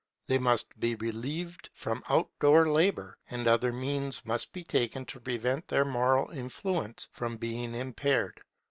They must be relieved from out door labour; and other means must be taken to prevent their moral influence from being impaired.